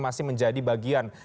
masih menjadi bagian